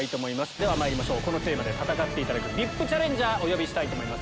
ではまいりましょうこのテーマで戦っていただくＶＩＰチャレンジャーお呼びします